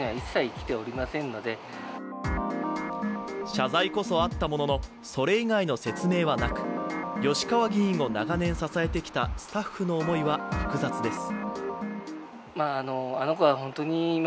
謝罪こそあったものの、それ以外の説明はなく、吉川議員を長年支えてきたスタッフの思いは複雑です。